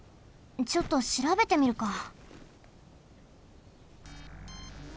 ちょっとしらべてみるか。